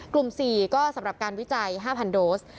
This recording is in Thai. ๔ก็สำหรับการวิจัย๕๐๐โดส